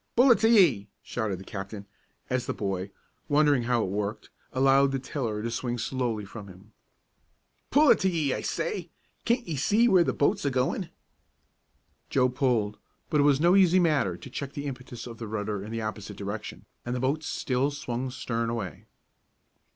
"Pull it to ye!" shouted the captain, as the boy, wondering how it worked, allowed the tiller to swing slowly from him. "Pull it to ye, I say! Can't ye see where the boat's a goin'?" Joe pulled; but it was no easy matter to check the impetus of the rudder in the opposite direction, and the boat still swung stern away.